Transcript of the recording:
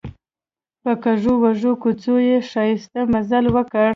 په کږو وږو کوڅو یې ښایسته مزل وکړ.